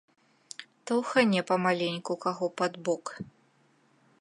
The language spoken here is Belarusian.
Таўхане памаленьку каго пад бок.